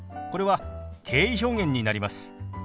これは敬意表現になります。